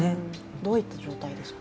どういった状態ですか？